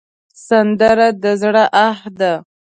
سندره د زړه آه ده